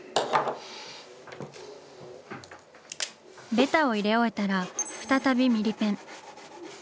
ベタを入れ終えたら再びミリペン。